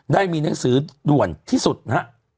ได้มีหนังสือด่วนที่สุดนะฮะ